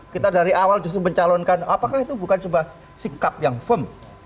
kita dari awal justru mencalonkan apakah itu bukan sebuah sikap yang firm